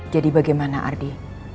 jadi bagaimana ardi